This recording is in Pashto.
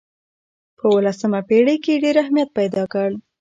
په اولسمه پېړۍ کې یې ډېر اهمیت پیدا کړ.